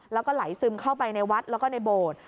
แล้วก็ไหลซึมเข้าไปในวัดแล้วก็ในโบสถ์